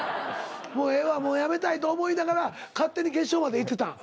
もうええわもうやめたいと思いながら勝手に決勝までいってたん？